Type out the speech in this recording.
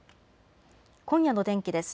今夜の天気です。